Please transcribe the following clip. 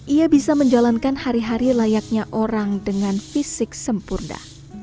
ia bisa menjalankan hari hari layaknya orang dengan fisik sempurna